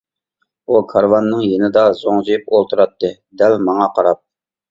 ئۇ كارىۋاتنىڭ يېنىدا زوڭزىيىپ ئولتۇراتتى، دەل ماڭا قاراپ.